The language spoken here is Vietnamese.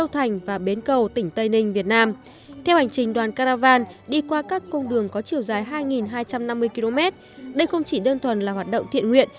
theo hành trình đoàn caravan đi qua các cung đường có chiều dài hai hai trăm năm mươi km đây không chỉ đơn thuần là hoạt động thiện nguyện